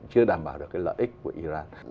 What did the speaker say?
chưa đảm bảo được cái lợi ích của iran